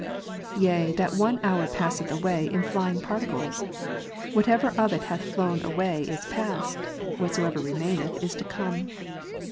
Yea, that one hour passeth away in flying particles. Whatsoever of it hath flown away, is past; whatsoever remaineth, is to come.